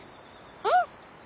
うん！